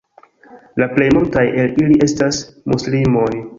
La plej multaj el ili estas muslimoj.